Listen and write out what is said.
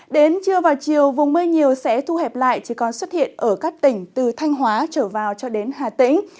đến trưa và chiều vùng mây nhiều sẽ thu hẹp lại chỉ còn xuất hiện ở các tỉnh từ thanh hóa trở vào cho đến hà tĩnh